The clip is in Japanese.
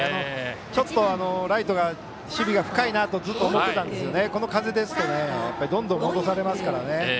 ちょっとライト、守備が深いなとずっと思っていたんですがこの風ですとどんどん戻されますからね。